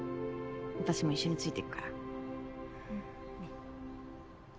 私も一緒についていくから。